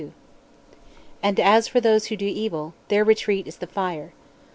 P: And as for those who do evil, their retreat is the Fire.